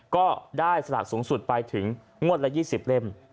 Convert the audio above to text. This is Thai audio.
ก็ได้สลากสูงสุดไปถึงงวดละ๒๐เล่ม